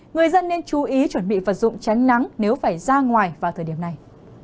người dân nên chú ý chuẩn bị phật dụng chén nắng nếu phải ra ngoài vào thời điểm này